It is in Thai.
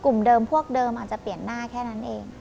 กลุ่มเดิมพวกเดิมอาจจะเปลี่ยนหน้าแค่นั้นเอง